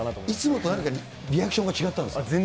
いつもと何かリアクションが違ったんですか？